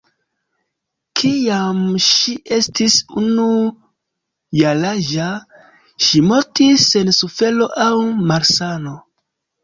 Kiam ŝi estis unu jaraĝa, ŝi mortis sen sufero aŭ malsano.